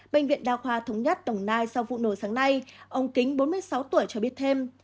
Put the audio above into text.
bệnh viện đa khoa thống nhất đồng nai sau vụ nổ sáng nay ông kính bốn mươi sáu tuổi cho biết thêm